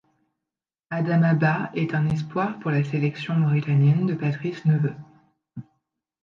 Adama Ba est un espoir pour la sélection mauritanienne de Patrice Neveu.